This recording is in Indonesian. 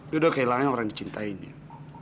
dia udah kehilangan orang yang dicintainya